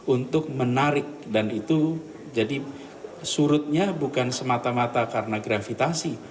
untuk menarik dan itu jadi surutnya bukan semata mata karena gravitasi